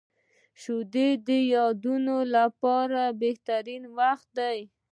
• شپه د یادونو لپاره بهترین وخت دی.